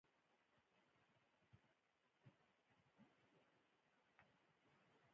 افغانستان د وحشي حیواناتو برخه کې له نړیوالو بنسټونو سره دی.